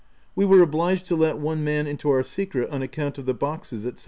We were obliged to let one man into our secret on account of the boxes, &c.